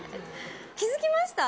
気付きました？